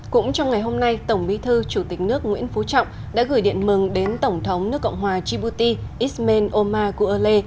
cũng trong ngày hôm nay tổng bí thư chủ tịch nước nguyễn phú trọng đã gửi điện mừng đến tổng thống nước cộng hòa djibouti ismail omar guale